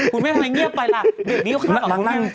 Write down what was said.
คุณไม่ทำอะไรเงียบไปล่ะเด็กนี้อยู่ข้างหลังคุณเนี่ย